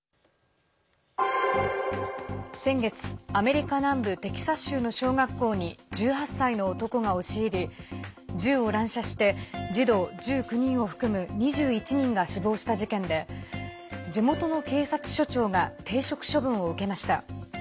先月、アメリカ南部テキサス州の小学校に１８歳の男が押し入り銃を乱射して児童１９人を含む２１人が死亡した事件で地元の警察署長が停職処分を受けました。